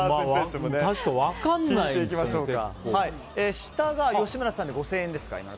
下が吉村さんで５０００円ですか。